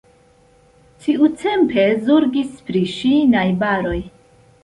Tiutempe zorgis pri ŝi najbaroj.